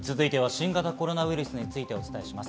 新型コロナウイルスについてお伝えします。